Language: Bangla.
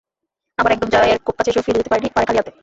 আবার একদম জয়ের খুব কাছে এসেও ফিরে যেতে পারে খালি হাতে।